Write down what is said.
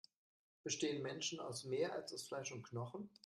Bestehen Menschen aus mehr, als aus Fleisch und Knochen?